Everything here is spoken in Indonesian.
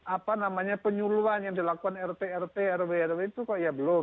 apa namanya penyuluan yang dilakukan rt rt rw rw itu kok ya belum